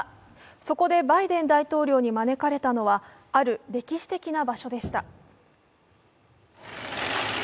そこでバイデン大統領に招かれたのはある歴史的な場所でした。